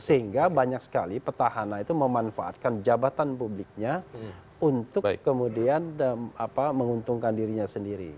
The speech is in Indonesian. sehingga banyak sekali petahana itu memanfaatkan jabatan publiknya untuk kemudian menguntungkan dirinya sendiri